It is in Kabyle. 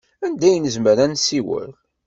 Anda i nezmer ad nsiwel?